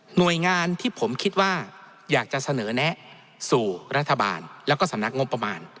หน่วยงานที่ผมคิดว่าอยากจะเสนอแนะสู่รัฐบาลแล้วก็สำนักงบประมาณ